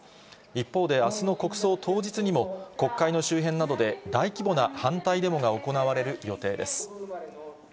一方であすの国葬当日にも、国会の周辺などで大規模な反対デモが行われる予定です。